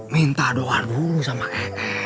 minta doa dulu sama e